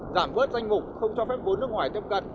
giảm bớt danh mục không cho phép vốn nước ngoài tiếp cận